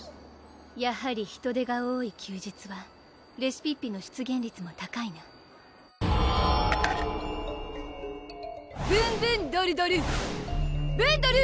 やはり人出が多い休日はレシピッピの出現率も高いなブンブンドルドルブンドル！